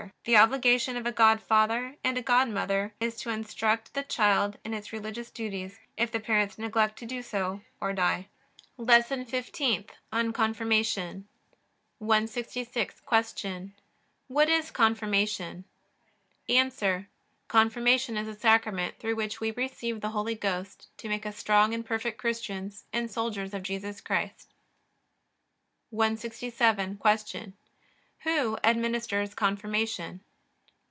The obligation of a godfather and a godmother is to instruct the child in its religious duties, if the parents neglect to do so or die. LESSON FIFTEENTH ON CONFIRMATION 166. Q. What is Confirmation? A. Confirmation is a Sacrament through which we receive the Holy Ghost to make us strong and perfect Christians and soldiers of Jesus Christ. 167. Q. Who administers Confirmation?